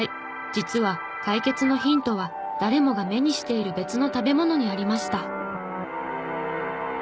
実は解決のヒントは誰もが目にしている別の食べ物にありました。